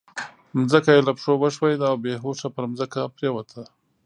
ځمکه يې له پښو وښوېده او بې هوښه پر ځمکه پرېوته.